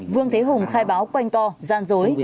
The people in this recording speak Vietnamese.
vương thế hùng khai báo quanh to gian dối